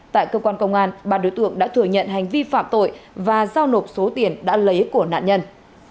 tại cơ quan công an ba đối tượng đã thừa nhận hành vi phạm tội và giao nộp số tiền đã lấy của nạn nhân